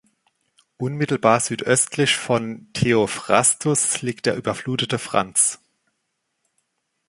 Unmittelbar südöstlich von Theophrastus liegt der überflutete Franz.